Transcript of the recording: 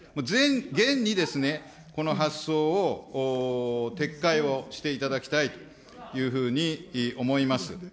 げんにですね、この発想を撤回をしていただきたいというふうに思います。